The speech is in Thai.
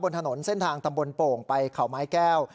บนถนนเส้นทางตำบลโป่งไปเขาไม้แก้ว